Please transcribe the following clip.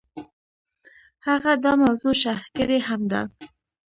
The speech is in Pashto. هغه دا موضوع شرح کړې هم ده.